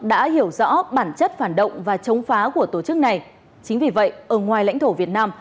đã hiểu rõ bản chất phản động và chống phá của tổ chức này chính vì vậy ở ngoài lãnh thổ việt nam